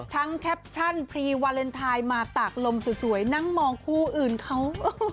แคปชั่นพรีวาเลนไทยมาตากลมสวยนั่งมองคู่อื่นเขา